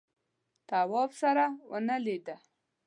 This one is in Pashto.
تواب سره ونه ولیده.